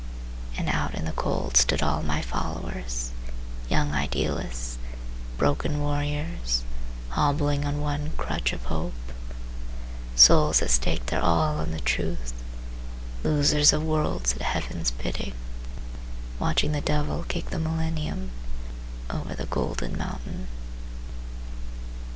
And out in the cold stood all my followers: Young idealists, broken warriors Hobbling on one crutch of hope— Souls that staked their all on the truth, Losers of worlds at heaven's bidding, Watching the Devil kick the Millennium Over the Golden Mountain.